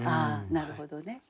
なるほどね。